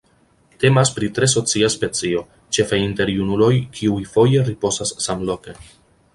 Temas pri tre socia specio, ĉefe inter junuloj kiuj foje ripozas samloke.